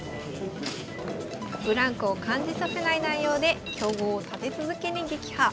ブランクを感じさせない内容で強豪を立て続けに撃破。